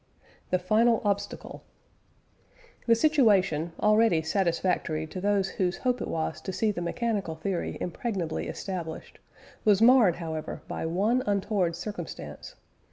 THE FINAL OBSTACLE. The situation, already satisfactory to those whose hope it was to see the mechanical theory impregnably established, was marred, however, by one untoward circumstance.